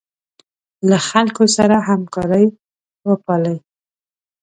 له خلکو سره همکاري وپالئ.